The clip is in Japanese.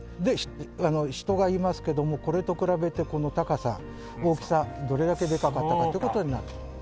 人がいますけどもこれと比べてこの高さ大きさどれだけでかかったかという事を今。